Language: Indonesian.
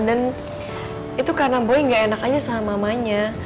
dan itu karena boy nggak enak aja sama mamanya